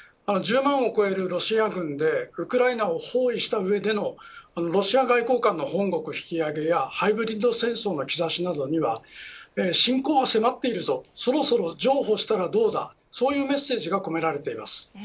１０万を超えるロシア軍でウクライナを包囲した上でのロシア外交官の本国引き上げやハイブリッド戦争の兆しなどには侵攻は迫っているぞそろそろ譲歩したらどうだというメッセージが込められています